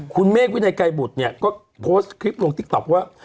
คุณเมฆวินัยไกรบุตรเนี่ยก็โพสต์คลิปลงติ๊กต๊อกว่า